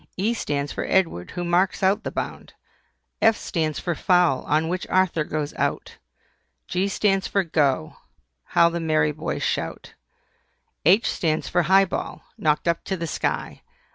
E stands for EDWARD, who marks out the bound. F stands for FOUL on which Arthur goes out. G stands for "GO" How the merry boys shout! H stands for HIGH BALL, knocked up to the sky.